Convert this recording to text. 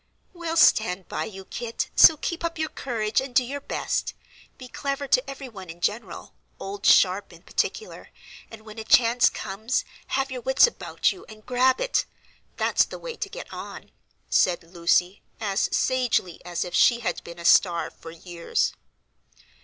"We'll stand by you, Kit; so keep up your courage, and do your best. Be clever to every one in general, old Sharp in particular, and when a chance comes, have your wits about you and grab it. That's the way to get on," said Lucy, as sagely as if she had been a star for years.